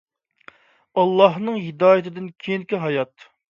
ئاللاھنىڭ ھىدايىتىدىن كېيىنكى ھايات